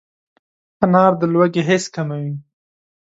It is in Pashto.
انار د لوږې حس کموي.